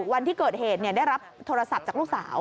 วันที่เกิดเหตุได้รับโทรศัพท์จากลูกสาว